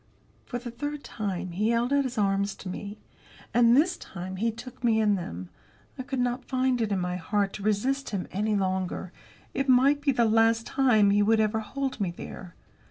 For the third time he held out his arms to me. And, this time, he took me in them. I could not find it in my heart to resist him any longer; it might be the last time he would ever hold me there.